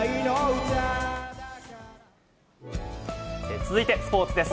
続いてスポーツです。